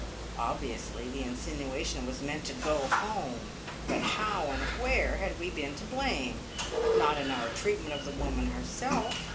Obviously the insinuation was meant to go home, but how and where had we been to blame? Not in our treatment of the woman herself.